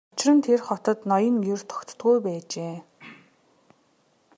Учир нь тэр хотод ноён ер тогтдоггүй байжээ.